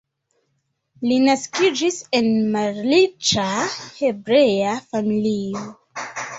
Li naskiĝis en malriĉa hebrea familio.